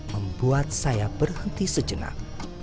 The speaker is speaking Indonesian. membuat saya berhenti sejenak